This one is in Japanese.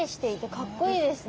かっこいい形ですよね！